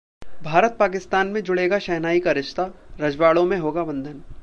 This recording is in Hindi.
भारत-पाकिस्तान में जुड़ेगा शहनाई का रिश्ता, रजवाड़ों में होगा बंधन